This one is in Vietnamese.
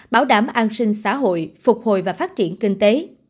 bảo đảm an sinh xã hội phục hồi và phát triển kinh tế